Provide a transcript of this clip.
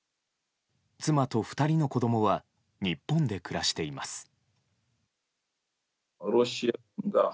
妻と２人の子供は日本で暮らしています。